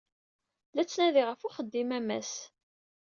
La ttnadiɣ ɣef uxeddim a Mass.